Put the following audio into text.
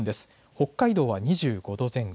北海道は２５度前後。